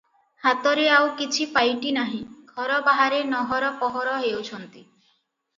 ହାତରେ ଆଉ କିଛି ପାଇଟି ନାହିଁ, ଘର ବାହାରେ ନହର ପହର ହେଉଛନ୍ତି ।